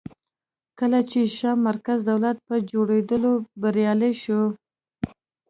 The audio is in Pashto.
کله چې شیام مرکزي دولت په جوړولو بریالی شو